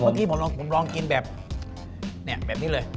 เมื่อกี้ผมลองผมลองกินแบบเนี้ยแบบนี้เลย